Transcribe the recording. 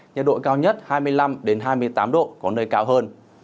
nhiệt độ cao nhất hai mươi năm hai mươi tám độ có nơi cao hơn